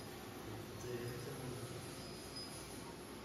D Lezzayer ay d tamurt-nnem.